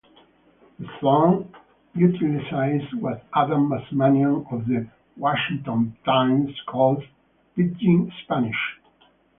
The song utilizes what Adam Mazmanian of "The Washington Times" calls "pidgin Spanish".